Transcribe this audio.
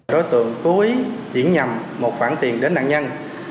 đối tượng cố ý chuyển nhầm một khoản tiền đến nạn nhân